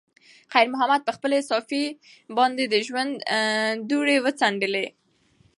خیر محمد په خپلې صافې باندې د ژوند دوړې وڅنډلې.